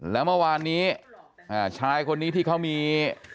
แล้วเมื่อวานนี้ชายคนนี้ที่เขามี